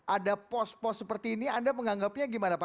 ada pos pos seperti ini anda menganggapnya gimana pak